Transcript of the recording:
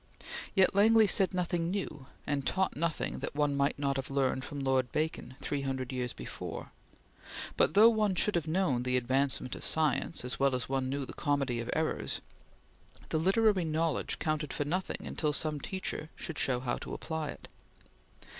Yet Langley said nothing new, and taught nothing that one might not have learned from Lord Bacon, three hundred years before; but though one should have known the "Advancement of Science" as well as one knew the "Comedy of Errors," the literary knowledge counted for nothing until some teacher should show how to apply it.